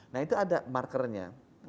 nah itu ada markernya